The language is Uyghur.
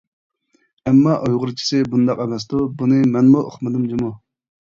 ئەمما ئۇيغۇرچىسى بۇنداق ئەمەستۇ بۇنى مەنمۇ ئۇقمىدىم جۇمۇ.